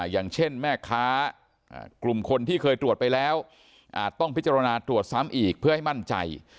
อย่างเช่นแม่ค้ากลุ่มคนที่เคยตรวจไปแล้วอาจต้องพิจารณาตรวจซ้ำอีกเพื่อให้มั่นใจ